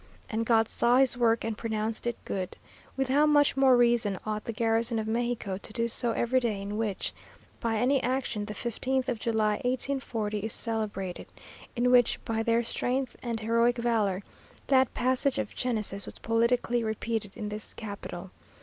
And God saw his work and pronounced it good!_ With how much more reason ought the garrison of Mexico to do so every day in which, by any action, the 15th of July 1840 is celebrated in which, by their strength and heroic valour, that passage of Genesis was politically repeated in this capital.